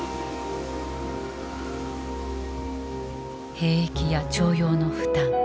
兵役や徴用の負担。